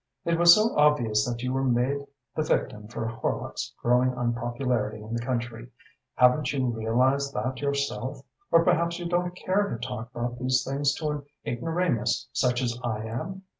It was so obvious that you were made the victim for Horlock's growing unpopularity in the country. Haven't you realised that yourself or perhaps you don't care to talk about these things to an ignoramus such as I am?"